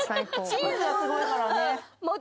チーズがすごいからね。